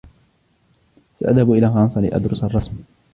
سأذهب إلى فرنسا لأدرس الرسم.